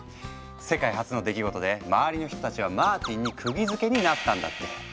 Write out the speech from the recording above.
世界初の出来事で周りの人たちはマーティンにくぎづけになったんだって。